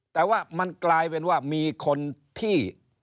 แต่ว่ามันกลายเป็นว่ามีคนที่